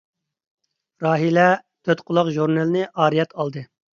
راھىلە «تۆتقۇلاق ژۇرنىلى» نى ئارىيەت ئالدى.